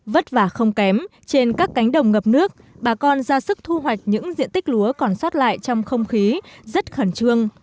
vất vả không kém trên các cánh đồng ngập nước bà con ra sức thu hoạch những diện tích lúa còn xót lại trong không khí rất khẩn trương